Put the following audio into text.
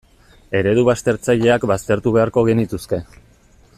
Eredu baztertzaileak baztertu beharko genituzke.